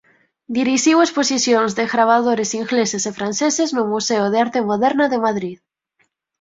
Dirixiu exposicións de gravadores ingleses e franceses no Museo de Arte Moderna de Madrid.